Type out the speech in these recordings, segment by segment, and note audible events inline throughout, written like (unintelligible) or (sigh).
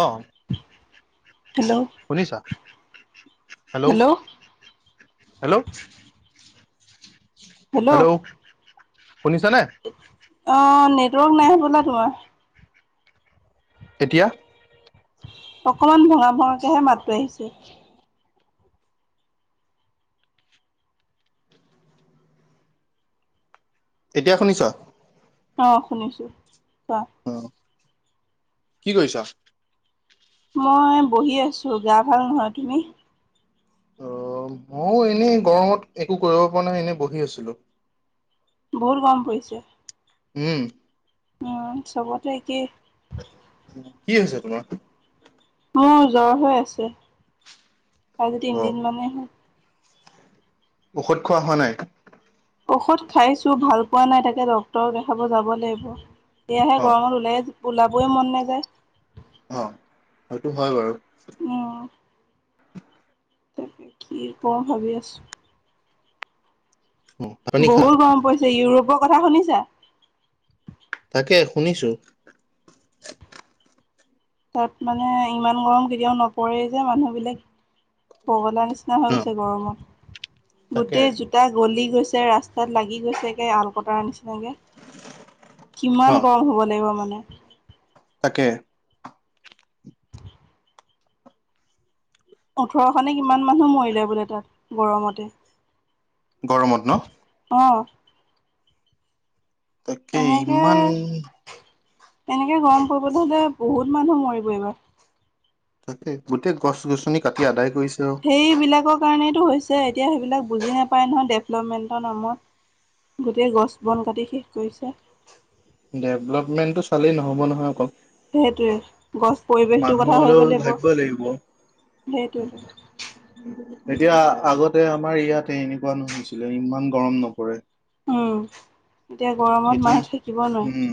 অ। Hello শুনিছা? Hello, hello, ' hello, শুনিছ নে? অ নেটৱৰ্ক নাই হবলা তোমাৰ। এতিয়া? অকমান ভঙা ভঙাকেহে মাততো আহিছে। এতিয়া শুনিছা? অ শুনিছো। অ, কি কৰিছা? মই বহি আছো, গা ভাল নহয়। তুমি? অ মইয়ো এনেই গৰমত একো কৰিব পৰা নাই এনে বহি আছিলো। বহুত গম পৰিছে। উম। উম চবতে একেই। কি হৈছে তোমাৰ? মোৰ জ্বৰ হৈ আছে। আজি অ তিনদিন মানেই হল। ঔষধ খোৱা হোৱা নাই? ঔষধ খাইছোঁ ভাল পোৱা নাই, তাকে ডক্তৰক দেখাব যাব লাগিব। সেয়াহে অ গৰমত ওলাই ওলাবয়ে মন নাযায়। অ সেইটো হয় বাৰু। উম। তে কি কওঁ ভাবি আছো। অ ভাত পানী খালা গৰম পৰিছে ইউৰোপৰ কথা শুনিছা? তাকে শুনিছো। তাত মানে ইমান গৰম কেতিয়াও নপৰে যে, মানুহ বিলাক পগলা নিচিনা- নিচিনা অ হৈ গৈছে গৰমত। তাকে গোটেই জোতা গলি গৈছে ৰাস্তাত লাগি গৈছেকে আল কটাৰ নিচিনা। তেনেকে অ কিমান গৰম হ'ব লাগিব মানে। তাকে। ওঠৰশ নে কিমান মানুহ মৰিলে বোলে তাত গৰমতে। গৰমত ন? অ। তাকে এনেকে ইমান এনেকে গৰম পৰিব হলে বহুত মানুহ মৰিব এইবাৰ। তাকে গোটেই গছ গছনি কাটি আদায় কৰিছে আৰু সেইবিলাকৰ কাৰণটো হৈছে, এতিয়া সেইবিলাক বুজি নাপায় নহয় ডেভলপমেণ্টৰ নামত। গোটেই গছ বন কাটি শেষ কৰিছে। ডেভলপমেণ্টটো চালেই নহ'ব নহয় অকল। সেইটোৱে। গছ পৰিৱেশটোৰ কথা ভাবিব লাগিব সেইটোৱেতো। এতিয়া আগতে আমাৰ ইয়াতে এনেকুৱা নুহছিলে ইমান গৰম নপৰে। উম, এতিয়া গৰমত এতিয়া মাহে থাকিব উম নোৱাৰে।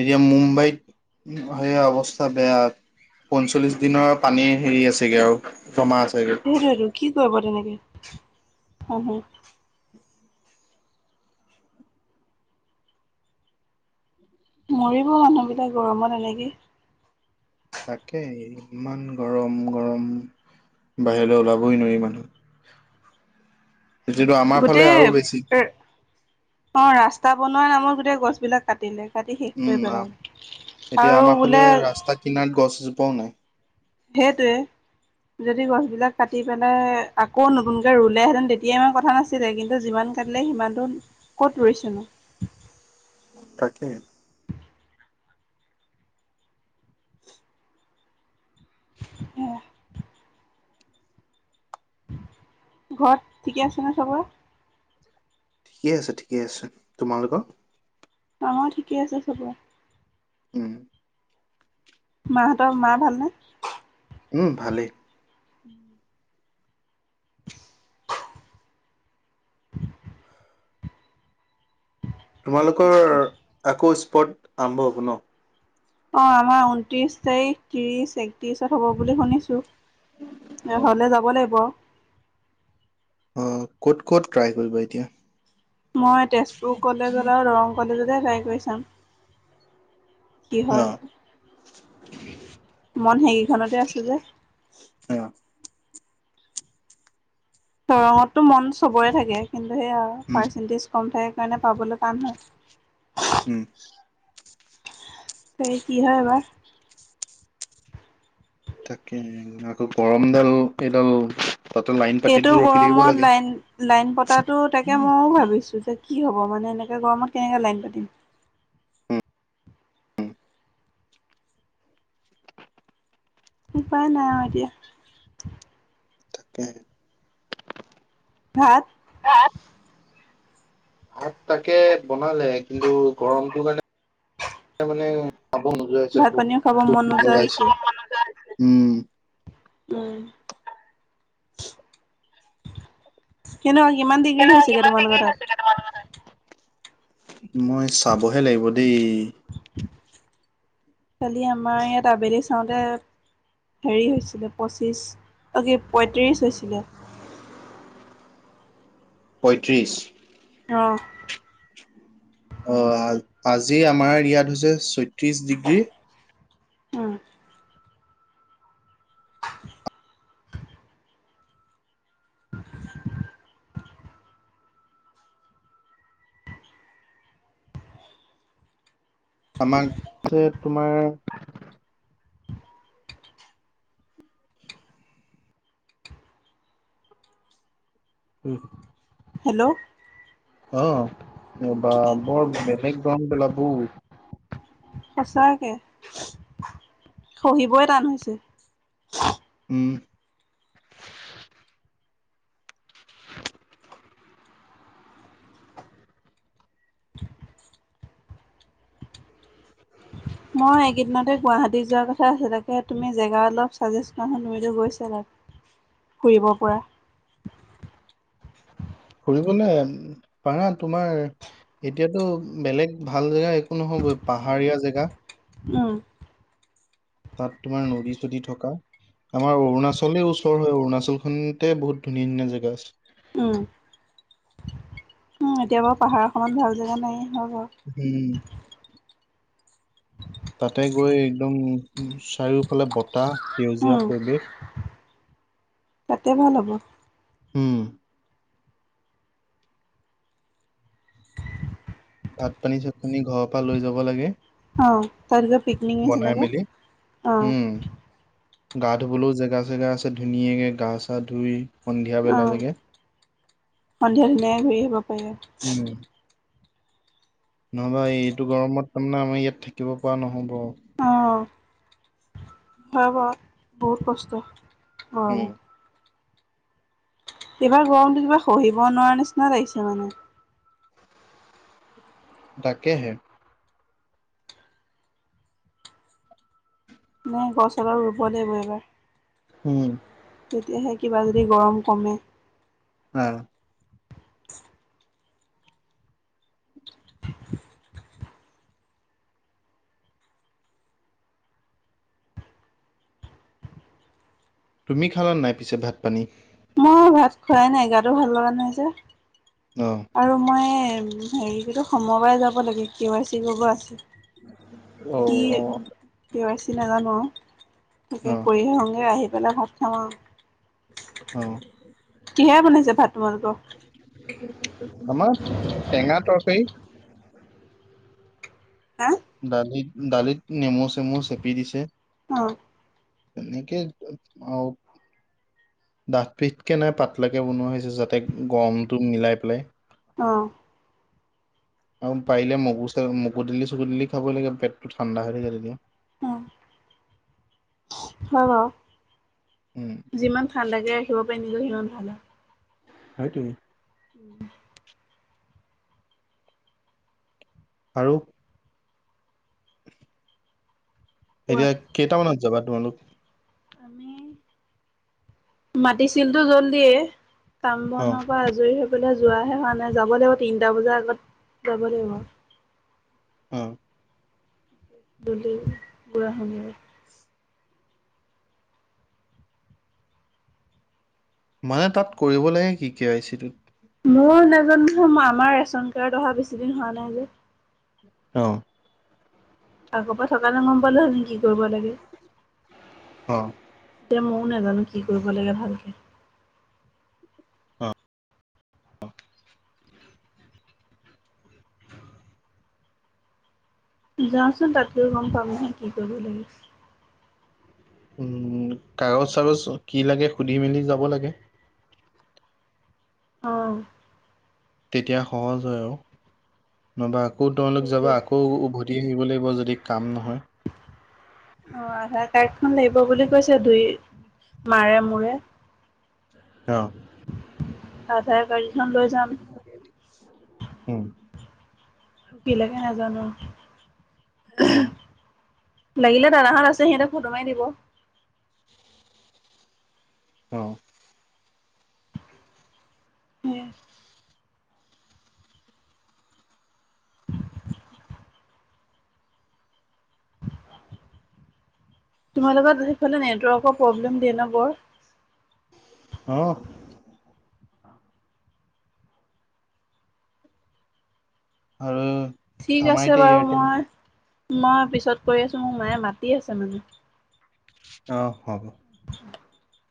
এতিয়া মুম্বাইত সেয়া অৱস্থা বেয়া পঞ্চল্লিশ দিনৰ পানী হেৰি আছেগে আৰু জমা আছেগে সেইটোৱেটো কি কৰিব তেনেকে অহ -হ মৰিব মানুহবিলাক গৰমত এনেকে। তাকেই ইমান গৰম-গৰম বাহিৰলৈ ওলাবই নোৱাৰি মানুহ যিটো আমাৰ ফালে গোটেই আৰু বেছি এ অহ ৰাস্তা বনোৱা নামত গোটেই গছ বিলাক কাটিলে। কাটি শেষ উম কৰি আ পেলালে আৰু বোলে পোৱা ও নাই সেইটো এ যদি গছবিলাক কাটি পেলাই আকৌ নতুনকে ৰুলে-হেতেন তেতিয়া ইমান কথা নাছিলে, কিন্তু যিমান কাটিলে সিমানটো ক'ত ৰুইছেনো? তাকে অহ ঘৰত ঠিকে আছে ন' চবৰে? ঠিকে আছে- ঠিকে আছে তোমালোকৰ? আমাৰো ঠিকেই আছে চবৰে। উম মাহঁতৰ মা ভালনে? উম, ভালেই উম (inaudible) তোমালোকৰ ভালনে আকৌ স্পট আৰম্ভ হ'ব ন'? অহ, আমাৰ ঊনত্ৰিশ তাৰিখ, ত্ৰিশ, একত্ৰিশত হ'ব বুলি শুনিছো। এ হলে যাব লাগিব অহ, ক'ত -ক'ত ট্ৰাই কৰিবা এতিয়া? মই তেজপুৰ কলেজত আৰু দৰং কলেজতে ট্ৰাই কৰি চাম। কি অ হয় মন সেই সেইকেখনতহে আছে যে অ দৰংতটো মন চবৰে থাকে কিন্তু সেইয়া উম পাৰ্চেন্টেজ কম থাকে কাৰণে পাবলৈ টান হয়। উম সেই কি হয় এবাৰ তাকে আকৌ গৰমডাল এইডাল তাতে লাইন এইটো পাতিটো ৰখি থাকিব গৰমত লাগে। লাইন-লাইন পতাতো তাকে মইও ভাবিছো যে কি হ'ব মানে, এনেকে গৰমত কেনেকে লাইন পাতিম? উপায় নাই আৰু এতিয়া। তাকে ভাত ভাত তাকে বনালে কিন্তু গৰমটো কাৰণে ত' মানে উম খাব ভাত পানীও খাব মন নোযোৱা নোযোৱা হৈছে হৈছে (unintelligible) উম কেনেকুৱা কিমান ডিগ্ৰী হৈছেগে তোমালোকৰ তাত? মই চাবহে লাগিব দেই কালি আমাৰ ইয়াত আবেলি চাওঁতে হেৰি হৈছিলে পঁচিছ, অ কি পঁয়ত্ৰিশ হৈছিলে। পঁয়ত্ৰিছ অহ অহ--আজি আমাৰ ইয়াত হৈছে ছয়ত্ৰিশ ডিগ্ৰী। উম আমাক হে তোমাৰ উম হেল্ল' অঁ বা বৰ বেলেগ গৰম। সঁচাকৈ সহিবৈ টান হৈছে উম (unintelligible) মই এইকেইদিনতে গুৱাহাটীত যোৱাৰ কথা আছিলে তাকে তুমি জেগা অলপ চাজেছ কৰা তুমিতো গৈছা। ফুৰিব পৰা ফুৰিবলে পাৰা তোমাৰ এতিয়াতো বেলেগ ভাল জেগা একো নহয় গৈ পাহাৰীয়া জেগা অহ তাত তোমাৰ নদী চদি থকা আমাৰ অৰুণাচলে ওচৰ হয় অৰুণাচল খনতে বহুত ধুনীয়া -ধুনীয়া জেগা আছে। উম -উম এতিয়া বাৰু পাহাৰখনত ভাল জেগা উম নাই। অঁ তাতে গৈ একদম উম চাৰিওফালে বতাহ সেউজীয়া উম পৰিৱেশ তাতে ভাল হ'ব হম ভাত পানী, চাত পানী ঘৰৰ পৰা লৈ যাব লাগে। অঁ তাত এটা পিকনিক বনাই নিচিনাকে মেলি অঁ উম গা ধুবলৈও জেগা চেগা আছে ধুনীয়াকে গা চা ধুই সন্ধিয়া বেলালৈকে আহ সন্ধিয়া ধুনীয়াকে ঘূৰি আহিব পাৰি। নহয় এইটো গৰমত তাৰমানে আমাৰ ইয়াত থাকিব পৰা নহব। আঁহ হয় বাৰু বহুত কষ্ট অঁ উম, এইবাৰ গৰমটো কিবা সহিব নোৱাৰা নিচিনাই ত আহিছে মানে তাকে হে নাই গছ এডাল ৰুব লাগিব এইবাৰ। উম তেতিয়াহে কিবা যদি গৰম কমে। হঁ তুমি খালা নাই পিছে ভাত পানী? মই ভাত খোৱাই নাই গাটো ভাল লগা নাই যে। অ, আৰু মই হেৰি সোমবাৰে যাব লাগে কে ৱাই চি কৰিব আছে। অ, কি কেৱাই চি নাজানো তাকে অ, কৰি আহুংগে আহি পেল ভাত খাম অ, আৰু কিহে বনাইছে ভাত তোমালোক আমাৰ টেঙা তৰকাৰী হা দালিত দালিত নেমু চেমু চেপি দিছে। অঁ তেনেকে আহঁ দাঠ পিঠকে নাই পাতলাকে বনোৱা হৈছে যাতে গমটো মিলাই পেলাই। আহ্ আৰু পাৰিলে মগু চ মগু দালি চগো দালি খাব লাগে পেটটো ঠাণ্ডা হৈ থাকে তেতিয়া। হয় উম, যিমান ঠাণ্ডাকে ৰাখিব পাৰি নিকি সিমান ভাল। হয় তুমি উম আৰু (unintelligible) কোৱা এতিয়া কেইটামানত যাবা তোমালোক আমি মাটিছিলটো জল দিয়ে কাম অ, বনৰ পৰা আজৰি হ'ল যোৱাহে হোৱা নাই যাব লাগিব তিনটা বজাৰ আগত যাব লাগিব অ ধুলি বুঢ়া সময়ত মানে তাত কৰিব লাগে কি কি আই চি টোত মোৰ নাজানো নহয় আমাৰ ৰেচন কাৰ্ড অহা বেছি দিন হোৱা নাই যে অহ আগৰ পৰা থকা হলে গম পালোহেতেন কি কৰিব লাগে অ এতিয়া মইয়ো নাজানো কি কৰিব লাগে ভালকে অ যাওঁচোন তাত গৈ গম পাম নহয় কি কৰিব লাগে উম কাগজ চাগজ কি লাগে সুধি মেলি যাব লাগে। অহ তেতিয়া সহজ হয় আৰু নহবা আকৌ তোমালোক সেইটোৱে যাবা আকৌ উভতি আহিব লাগিব হব যদি কাম নহয় দুখন লাগিব বুলি কৈছে দুই মাৰে মোৰে অ'। আধাৰ কাৰ্ড কেইখন লৈ যাম উম, কি লাগে নাজানো অ লাগিলে দাদাহত আছে সিহঁতে ফটো মাৰি দিব অ এ তোমাৰ লগত সেইফালে নেটৱৰ্কৰ প্ৰব্লেম দিয়ে ন বৰ অহ আৰু ঠিক আমাৰ আছে এতিয়া বাৰু এয়াৰটেল মই মই পিছত কৰি আছো মোৰ মায়ে মাতি আছে মানে অ হ'ব উ